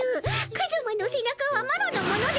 カズマのせ中はマロのもので。